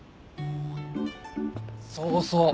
そうそう。